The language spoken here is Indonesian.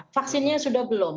vaksinnya sudah belum